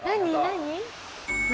何？